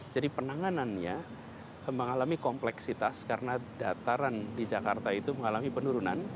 jadi penanganannya mengalami kompleksitas karena dataran di jakarta itu mengalami penurunan